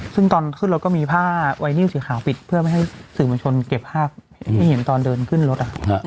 ซึ่งตอนขึ้นรถก็มีผ้าไวนิวสีขาวปิดเพื่อไม่ให้สื่อมวลชนเก็บภาพให้เห็นตอนเดินขึ้นรถ